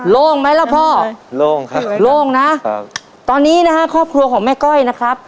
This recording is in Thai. โล่งไหมล่ะพ่อโล่งครับโล่งนะครับตอนนี้นะฮะครอบครัวของแม่ก้อยนะครับ